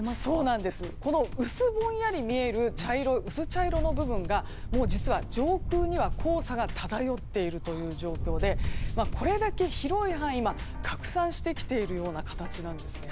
うすぼんやり見える薄茶色の部分が実は上空には黄砂が漂っているという状況でこれだけ広い範囲拡散してきているような形なんです。